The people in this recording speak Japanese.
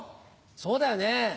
そうだよね。